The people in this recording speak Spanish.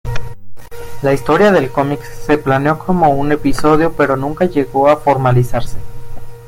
La historia del cómic se planeó como un episodio pero nunca llegó a formalizarse.